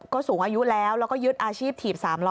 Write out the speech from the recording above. ก็สูงอายุแล้วแล้วก็ยึดอาชีพถีบ๓ล้อ